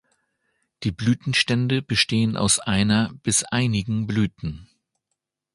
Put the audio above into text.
Die Blütenstände bestehen aus einer bis einigen Blüten.